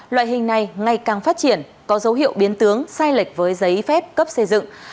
loại hình này ngày càng phát triển có dấu hiệu biến tướng sai lệch với giấy phép cấp xây dựng